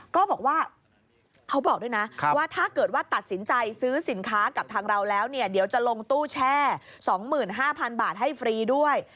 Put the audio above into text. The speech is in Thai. ก็บอกว่าเขาบอกด้วยนะว่าถ้าเกิดว่าตัดสินใจซื้อสินค้ากับทางเราแล้วเนี่ยเดี๋ยวจะลงตู้แช่๒๕๐๐๐บาทให้ฟรีด้วย